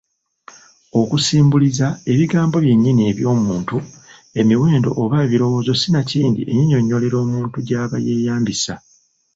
Okusimbuliza, ebigambo byennyini eby’omuntu, emiwendo oba ebirowoozo sinakindi ennyinnyonnyolero omutu gy'aba yeeyambisa.